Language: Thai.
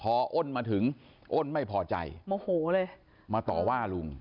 พออ้นมาถึงอ้นไม่พอใจโมโหเลยมาต่อว่าลุง